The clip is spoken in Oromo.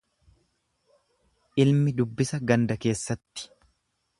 Ilmi dubbisa ganda keessatti.